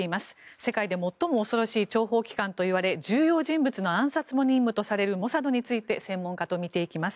世界で最も恐ろしい諜報機関といわれ重要人物の暗殺も任務とされるモサドについて専門家と見ていきます。